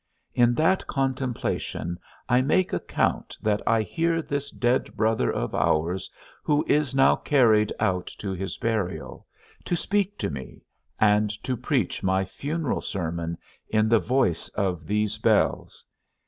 In that contemplation I make account that I hear this dead brother of ours, who is now carried out to his burial, to speak to me, and to preach my funeral sermon in the voice of these bells.